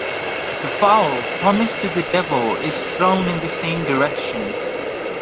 The fowl promised to the devil is thrown in the same direction.